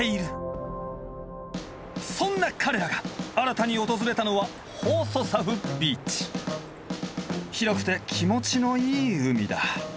そんな彼らが新たに訪れたのは広くて気持ちのいい海だ。